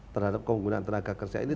terhadap penggunaan tenaga kerja ini